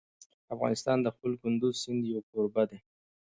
افغانستان د خپل کندز سیند یو کوربه دی.